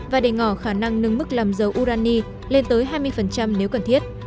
và để ngỏ khả năng nâng mức làm dầu urani lên tới hai mươi nếu cần thiết